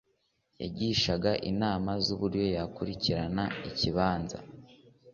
Yagishaga inama z’uburyo bakurikirana ikibanza